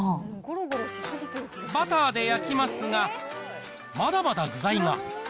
バターで焼きますが、まだまだ具材が。